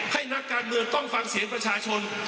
นักการเมืองต้องฟังเสียงประชาชน